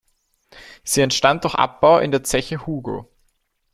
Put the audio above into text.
Sie entstand durch Abbau in der Zeche Hugo.